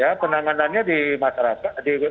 ya penanganannya di masyarakat